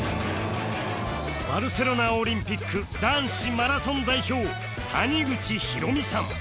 バルセロナオリンピック男子マラソン代表谷口浩美さん